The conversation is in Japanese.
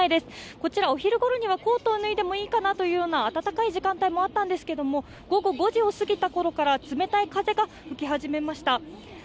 こちらお昼ごろにはコートを脱いでもいいかなという暖かい時間帯もあったんですけど、午後５時を過ぎたころから冷たい風が吹き始めました。